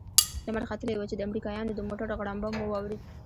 لمر ختلى و چې د امريکايانو د موټرو غړمبه مو واورېد.